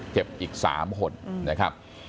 เจ็บอีก๓คนนะครับ